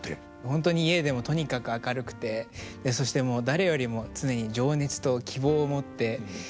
本当に家でもとにかく明るくてそして誰よりも常に情熱と希望を持ってもうやっぱり元気な人で。